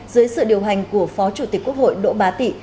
dưới sự điều hành của phó chủ tịch quốc hội đỗ bá tị